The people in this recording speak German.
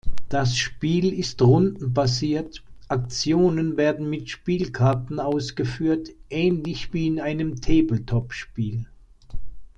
Das Spiel ist rundenbasiert, Aktionen werden mit Spielkarten ausgeführt, ähnlich wie in einem Tabletop-Spiel.